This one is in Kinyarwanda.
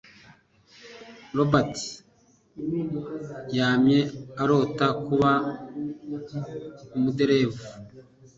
Robert yamye arota kuba umuderevu.